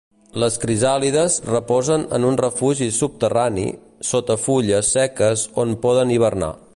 Les crisàlides reposen en un refugi subterrani, sota fulles seques on poden hibernar.